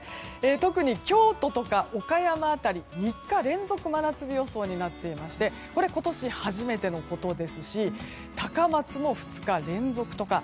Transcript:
特に京都とか岡山辺り３日連続の真夏日予想になっていまして今年初めてのことですし高松も２日連続とか。